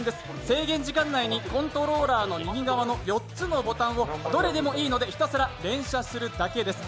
制限時間内にコントローラーの右側の４つのボタンをどれでもいいのでひたすら連射するだけです。